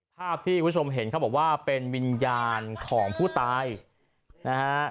ภาพที่คุณผู้ชมเห็นเขาบอกว่าเป็นวิญญาณของผู้ตายนะฮะ